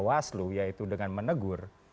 bawah seluruh yaitu dengan menegur